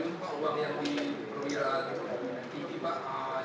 itu pak di tni sendiri gimana